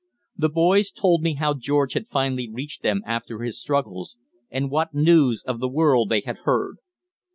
The boys told me how George had finally reached them after his struggles, and what news of the world they had heard.